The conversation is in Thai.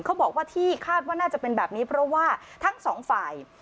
เขาบอกว่าที่คาดว่าน่าจะเป็นแบบนี้เพราะว่าทั้งสองฝ่าย